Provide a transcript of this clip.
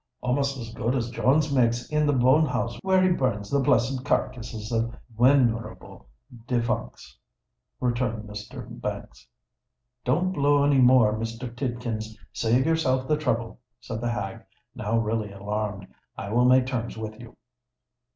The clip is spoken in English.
"Almost as good as Jones makes in the bone house where he burns the blessed carkisses of wenerable defuncts," returned Mr. Banks. "Don't blow any more, Mr. Tidkins—save yourself the trouble," said the hag, now really alarmed. "I will make terms with you."